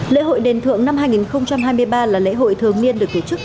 lễ hội đền thượng năm hai nghìn hai mươi ba là lễ hội thường niên được tổ chức